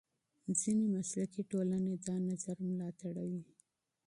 ځینې مسلکي ټولنې دا نظر ملاتړوي.